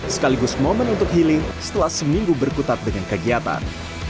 sekaligus momen untuk healing setelah seminggu berkutat dengan kegiatan